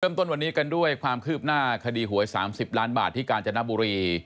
ต้นวันนี้กันด้วยความคืบหน้าคดีหวย๓๐ล้านบาทที่กาญจนบุรี